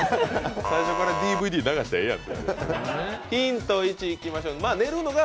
最初からＤＶＤ流したらええやん。